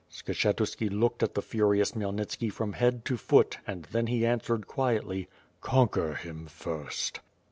Skshetu=ki looked at the furious Khmyelnitski from head to foot, and then he answered quietly: "Conquer him first."